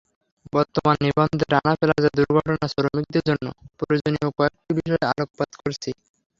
বর্তমান নিবন্ধে রানা প্লাজা দুর্ঘটনার শ্রমিকদের জন্য প্রয়োজনীয় কয়েকটি বিষয়ে আলোকপাত করছি।